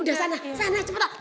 udah sana sana cepetan